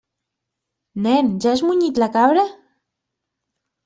Nen, ja has munyit la cabra?